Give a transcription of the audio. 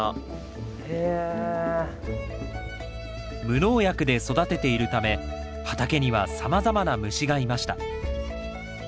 無農薬で育てているため畑にはさまざまな虫がいました。